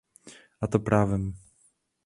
A to právem.